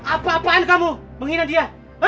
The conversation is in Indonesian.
apa apaan kamu menghina dia